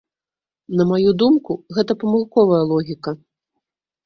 На маю думку, гэта памылковая логіка.